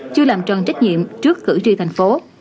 chưa làm trần trách nhiệm trước cử tri thành phố